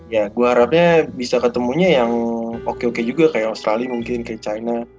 ya gue harapnya bisa ketemunya yang oke oke juga kayak australia mungkin kayak china